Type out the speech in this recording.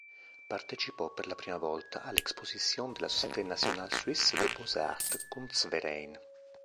Partecipò per la prima volta all'Exposition de la Société nationale suisse des beaux-arts Kunstverein.